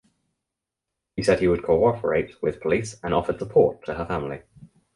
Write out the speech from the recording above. He said he would cooperate with police and offered support to her family.